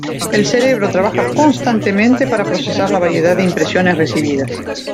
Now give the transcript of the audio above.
El cerebro trabaja constantemente para procesar la variedad de impresiones recibidas.